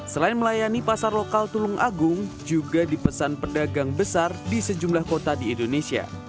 selain melayani pasar lokal tulung agung juga dipesan pedagang besar di sejumlah kota di indonesia